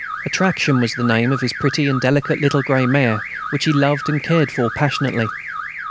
"Attraction" was the name of his pretty and delicate little grey mare, which he loved and cared for passionately.